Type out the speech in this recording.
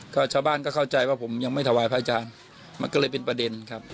ก็ชาวบ้านก็เข้าใจว่าผมยังไม่ถวายพระอาจารย์มันก็เลยเป็นประเด็นครับ